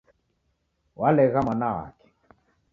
W'alegha mwana wake